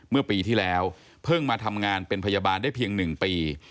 เมื่อปีที่แล้วเพิ่งมาทำงานเป็นพยาบาลได้เพียง๑ปี